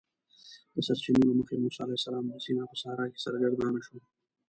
د سرچینو له مخې موسی علیه السلام د سینا په صحرا کې سرګردانه شو.